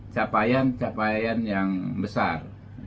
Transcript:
capaian capaian yang besar